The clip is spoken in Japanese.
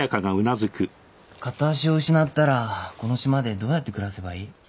片脚を失ったらこの島でどうやって暮らせばいい？